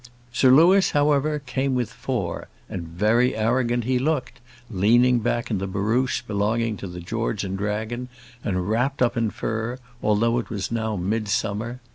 Sir Louis, however, came with four, and very arrogant he looked, leaning back in the barouche belonging to the George and Dragon, and wrapped up in fur, although it was now midsummer.